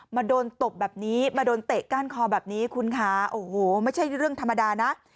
มาโดนตบแบบนี้มาโดนเตะก้านคอแบบนี้คุณคะโอ้โหไม่ใช่เรื่องธรรมดานะ